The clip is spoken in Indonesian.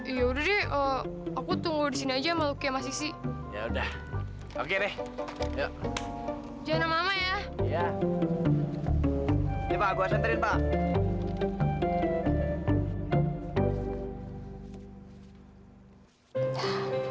ya udah aku tunggu di sini aja malu kemas isi ya udah oke deh jangan lama ya ya